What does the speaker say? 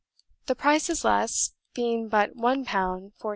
The price is less, being but 1 pound 14s.